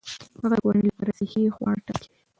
هغه د کورنۍ لپاره صحي خواړه ټاکي.